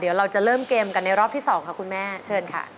เดี๋ยวเราจะเริ่มเกมกันในรอบที่๒ค่ะคุณแม่เชิญค่ะ